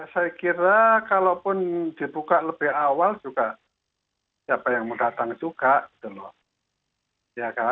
saya kira kalaupun dibuka lebih awal juga siapa yang mau datang juga gitu loh